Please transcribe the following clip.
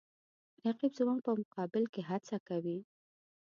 رقیب زما په مقابل کې هڅه کوي